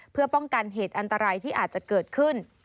เพื่อป้องกันเหตุอันตรายที่อาจจะเกิดขึ้น